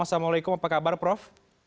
assalamualaikum apa kabar prof